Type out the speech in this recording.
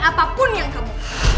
apapun yang kamu